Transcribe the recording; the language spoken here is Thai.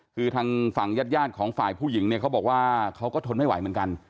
คือทางฝั่งญาติของฝ่ายผู้หญิงเนี่ยเขาบอกว่าเขาก็ทนไม่ไหวเหมือนกัน